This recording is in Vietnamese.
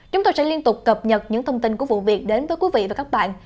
chúng tôi sẽ liên tục cập nhật những thông tin của vụ việc đến với quý vị và các bạn